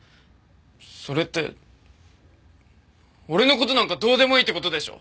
それって俺の事なんかどうでもいいって事でしょ。